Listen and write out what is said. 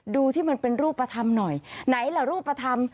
ดูที่มันเป็นรูปธรรมหน่อยไหนล่ะรูปธรรม